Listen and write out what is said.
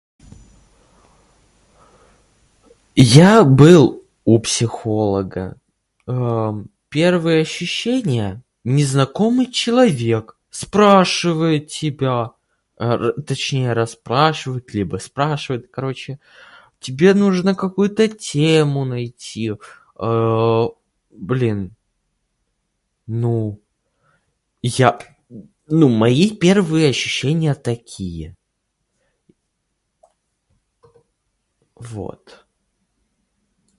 Я был у психолога. А-ам, первые ощущения? Незнакомый человек спрашивает тебя. А р-, точнее расспрашивает либо спрашивает, короче. Тебе нужно какую-то тему найти, э-э... Блин, ну, я... Ну, мои первые ощущения такие. Вот.